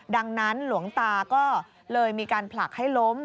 ดังนั้นหลวงตาก็เลยมีการผลักให้ล้ม